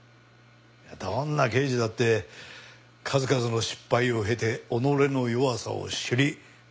どんな刑事だって数々の失敗を経て己の弱さを知り成長するもんだ。